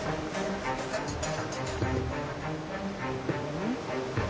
うん？